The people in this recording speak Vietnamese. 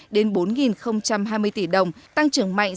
hai hai trăm chín mươi đến bốn hai mươi tỷ đồng tăng trưởng mạnh